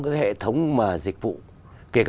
cái hệ thống mà dịch vụ kể cả